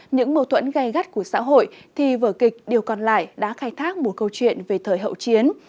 những mâu thuẫn gây gắt của xã hội thì vở kịch điều còn lại đã khai thác một câu chuyện về thời hậu chiến